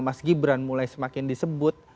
mas gibran mulai semakin disebut